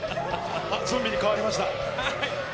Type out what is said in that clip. ゾンビに変わりました！